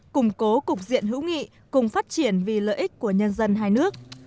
củng cố cục diện hữu nghị cùng phát triển vì lợi ích của nhân dân hai nước